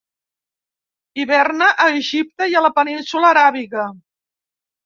Hiverna a Egipte i a la Península Aràbiga.